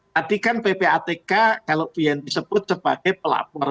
tadi kan ppatk kalau bu yanti sebut sebagai pelapor